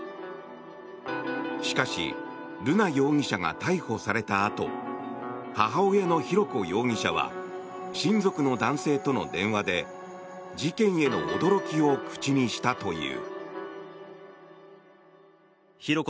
しかし、瑠奈容疑者が逮捕されたあと母親の浩子容疑者は親族の男性との電話で事件への驚きを口にしたという。